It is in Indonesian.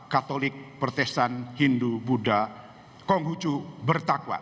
katolik pertesan hindu buddha konghucu bertakwa